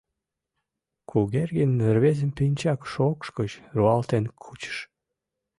— Кугергин рвезым пинчак шокш гыч руалтен кучыш.